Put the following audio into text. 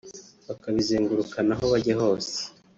bakabizengurukana aho bajya hose